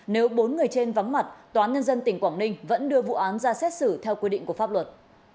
nếu bốn người trên vắng mặt tòa án nhân dân tỉnh quảng ninh vẫn đưa vụ án ra xét xử theo quy định của pháp luật